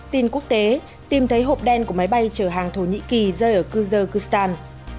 tin quốc tế tìm thấy hộp đen của máy bay chở hàng thổ nhĩ kỳ rơi ở kyzherstan